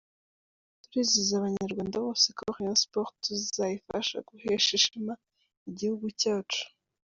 Turizeza Abanyarwanda bose ko Rayon Sports tuzayifasha guhesha ishema igihugu cyacu.